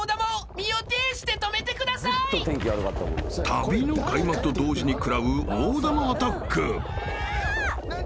［旅の開幕と同時に食らう大玉アタック］